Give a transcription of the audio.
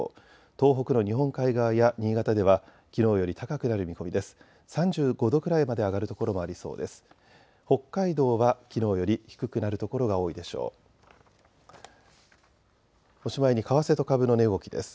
東北の日本海側や新潟ではきのうより高くなる見込みです。